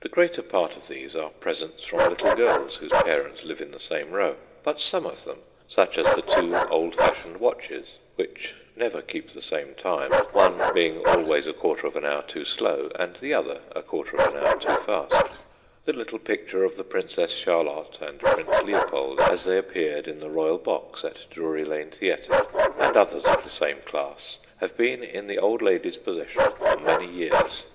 The greater part of these are presents from little girls whose parents live in the same row ; but some of them, such as the two old fashioned watches (which never keep the same time, one being always a quarter of an hour too slow, and the other a quarter of an hour too fast), the little picture of the Princess Charlotte and Prince Leopold as they appeared in the Royal Box at Drury Lane Theatre, and others of the same class, have been in the old lady's possession for many years.